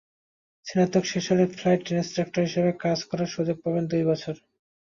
স্নাতক শেষ হলে ফ্লাইট ইনস্ট্রাক্টর হিসেবে কাজ করার সুযোগ পাবেন দুই বছর।